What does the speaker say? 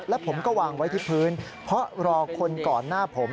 แล้วผมก็วางไว้ที่พื้นเพราะรอคนก่อนหน้าผม